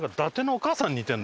お母さんに。